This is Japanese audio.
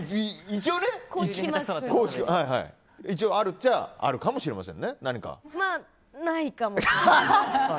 一応ね、公式のがあるっちゃあるかもしれませんね。